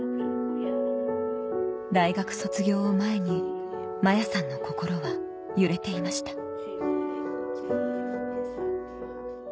大学卒業を前に摩耶さんの心は揺れていました